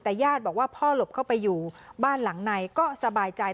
แต่ญาติบอกว่าพ่อหลบเข้าไปอยู่บ้านหลังในก็สบายใจ